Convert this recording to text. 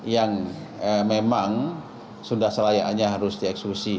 yang memang sunda selayak hanya harus dieksekusi